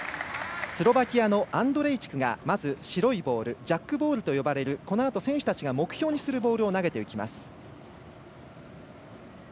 スロバキアのアンドレイチクがまず白いボールジャックボールと呼ばれるこのあと選手たちが目標にするボールを投げていきます。